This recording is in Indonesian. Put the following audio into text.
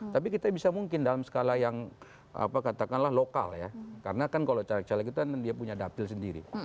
tapi kita bisa mungkin dalam skala yang katakanlah lokal ya karena kan kalau caleg caleg itu kan dia punya dapil sendiri